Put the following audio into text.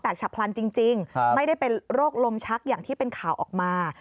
แต่ฉับพลันจริงไม่ได้เป็นโรคลมชักอย่างที่เป็นข่าวออกมา